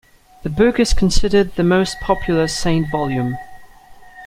The book is considered the most popular Saint volume.